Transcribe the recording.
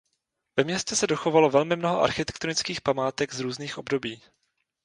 Ve městě se dochovalo velmi mnoho architektonických památek z různých období.